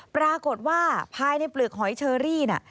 ปรากฏว่าภายในเปลือกหอยเชอรี่น่ะ